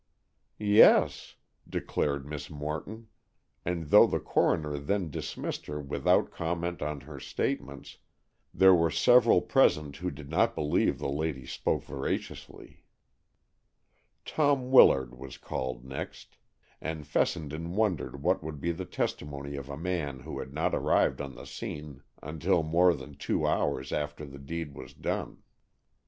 "Yes," declared Miss Morton, and though the coroner then dismissed her without comment on her statements, there were several present who did not believe the lady spoke veraciously. Tom Willard was called next, and Fessenden wondered what could be the testimony of a man who had not arrived on the scene until more than two hours after the deed was done.